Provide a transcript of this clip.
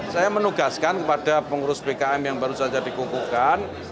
saya menugaskan kepada pengurus bkm yang baru saja dikukuhkan